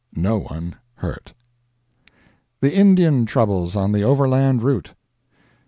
No one hurt. THE INDIAN TROUBLES ON THE OVERLAND ROUTE.